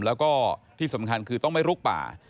แล้วก็ที่สำคัญคือต้องไม่ลุกป่า